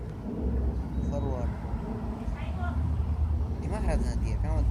Today the mosque is managed by its own Board of Trustees and Management Board.